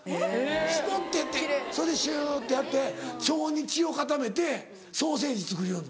スポってやってそれでシュってやって腸に血を固めてソーセージ作りよんの。